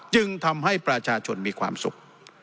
จึงทำให้ประชาชนมีความสุข